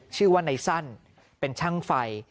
ชื่อว่าในสั้นเป็นช่างไฟ